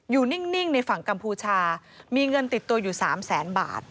นิ่งในฝั่งกัมพูชามีเงินติดตัวอยู่๓แสนบาท